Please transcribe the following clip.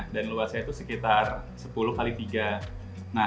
kalau halaman belakang kita itu dulu rumput area nya